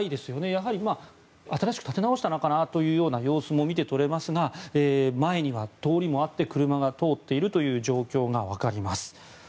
やはり新しく建て直したのかなという様子も見て取れますが前には通りもあって車が通っているという状況が分かります。